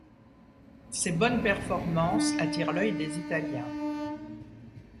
Ses bonnes performances attirent l’œil des italiens.